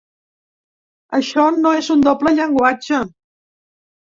Això no és un doble llenguatge.